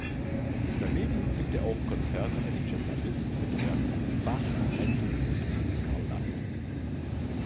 Daneben gibt er auch Konzerte als Cembalist mit Werken von Bach, Händel und Scarlatti.